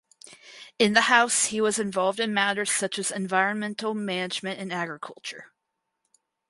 In the House he was involved in matters such as environmental management and agriculture.